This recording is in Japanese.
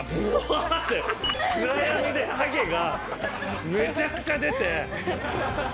暗闇でハゲがめちゃくちゃ出て。